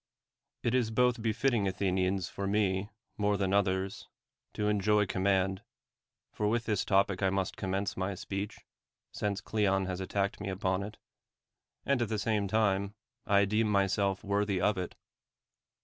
It is both befitting, Athenians, for me, more than others, to enjoy command (for with this topic must I commence my speech, since Cleon has attacked me upon it), and at the same time, I deem myself worthy of it.